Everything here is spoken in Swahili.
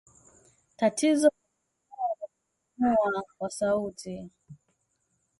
Tatizo la kupumua na kupumua kwa sauti